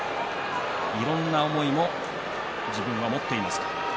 いろんな思いも自分は持っています。